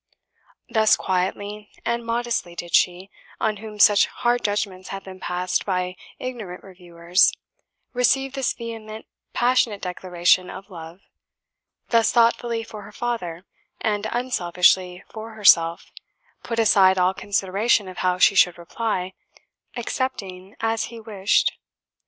Thus quietly and modestly did she, on whom such hard judgments had been passed by ignorant reviewers, receive this vehement, passionate declaration of love, thus thoughtfully for her father, and unselfishly for herself, put aside all consideration of how she should reply, excepting as he wished!